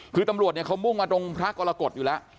คือตำรวจเนี่ยเขามุ่งมาตรงพระกรกฎอยู่แล้ว